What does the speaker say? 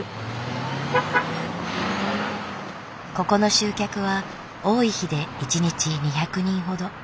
ここの集客は多い日で一日２００人ほど。